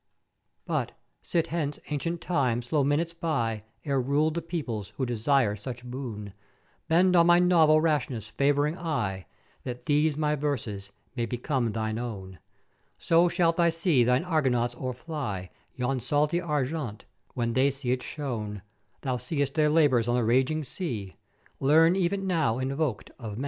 But, sithence ancient Time slow minutes by ere ruled the Peoples who desire such boon; bend on my novel rashness favouring eye, that these my verses may become thine own: So shalt thou see thine Argonauts o'erfly yon salty argent, when they see it shown thou seest their labours on the raging sea: Learn even now invok'd of man to be.